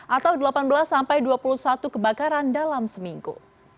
atau delapan belas sampai dua puluh satu kebakaran dalam seminggu